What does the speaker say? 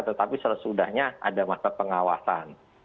tetapi sesudahnya ada masa pengawasan